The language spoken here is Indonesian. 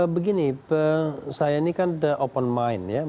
begini saya ini kan the open mind ya